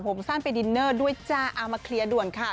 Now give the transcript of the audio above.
ผมสั้นไปดินเนอร์ด้วยจ้าเอามาเคลียร์ด่วนค่ะ